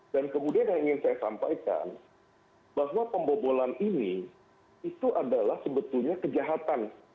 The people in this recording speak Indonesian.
kemudian yang ingin saya sampaikan bahwa pembobolan ini itu adalah sebetulnya kejahatan